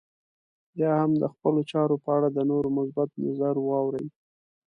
يا هم د خپلو چارو په اړه د نورو مثبت نظر واورئ.